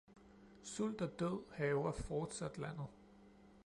Sult og død hærger fortsat landet.